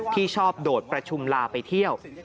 ที่ชอบโดดประชุมลาไปเที่ยว